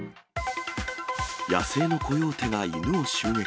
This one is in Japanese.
野生のコヨーテが犬を襲撃。